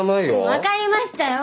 分かりましたよ！